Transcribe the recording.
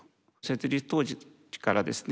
設立当時からですね